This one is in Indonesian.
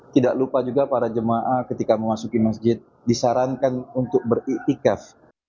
tidak lupa juga para jum ah ketika memasuki masjid disarankan untuk beri ikhlas